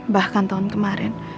bahkan tahun kemarin